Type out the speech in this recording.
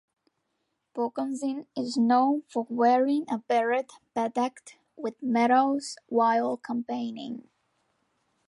Pokonzie is known for wearing a beret bedecked with medals while campaigning.